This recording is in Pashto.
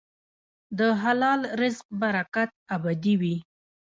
د حلال رزق برکت ابدي وي.